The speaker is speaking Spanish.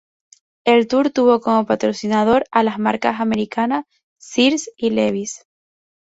El tour tuvo como patrocinador a las marcas americanas, Sears y Levi's.